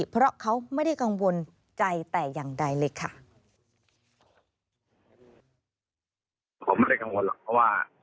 เพราะเขาไม่ได้กังวลใจแต่อย่างใดเลยค่ะ